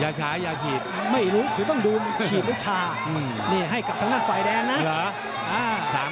ชายาฉีดไม่รู้คือต้องดูฉีดหรือชานี่ให้กับทางด้านฝ่ายแดงนะ